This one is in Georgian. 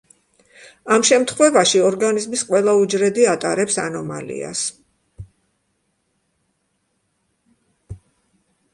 ამ შემთხვევაში ორგანიზმის ყველა უჯრედი ატარებს ანომალიას.